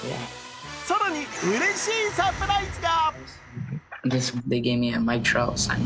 更に、うれしいサプライズが。